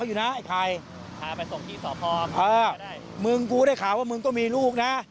เอ่อมึงกูได้ข่าวว่ามึงต้องมีลูกนะ